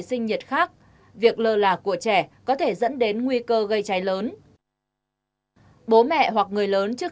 sinh nhiệt khác việc lơ là của trẻ có thể dẫn đến nguy cơ gây cháy lớn bố mẹ hoặc người lớn trước